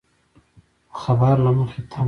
د خبر له مخې تمه ده